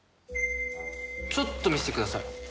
ちょっと見せてください。